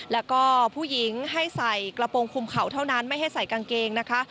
แล้วก็ผู้หญิงให้ใส่กระโปรงคุมเข่าเท่านั้นไม่ให้ใส่กางเกงนะคะ